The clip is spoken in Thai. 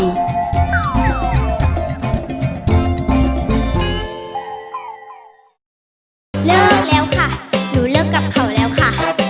เลิกแล้วค่ะหนูเลิกกับเขาแล้วค่ะ